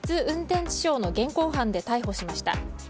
運転致傷の現行犯で逮捕しました。